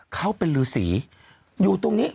เขาเป็นฤษีอยู่ตรงนี้